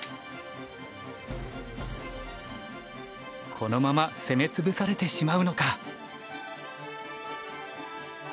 このまま攻め潰されてしまうのか。